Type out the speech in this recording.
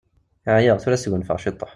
Ɛyiɣ, tura ad sgunfuɣ ctuḥ.